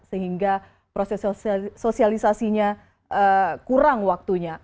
sehingga proses sosialisasinya kurang waktunya